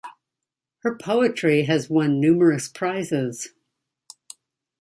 Her poetry has won numerous prizes.